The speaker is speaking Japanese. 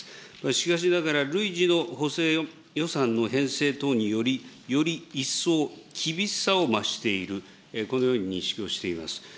しかしながら累次の補正予算の編成等により、より一層厳しさを増している、このように認識をしています。